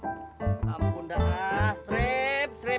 aaaa ampun dah strip strip